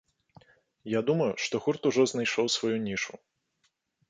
Я думаю, што гурт ужо знайшоў сваю нішу.